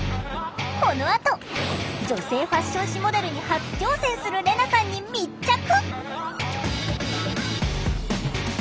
このあと女性ファッション誌モデルに初挑戦するレナさんに密着！